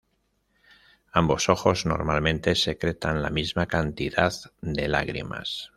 Ambos ojos normalmente secretan la misma cantidad de lágrimas.